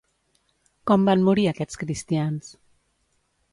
Com van morir aquests cristians?